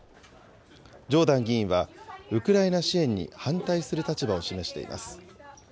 ジョーダン議員はウクライナ支援に反対する立場を示しています。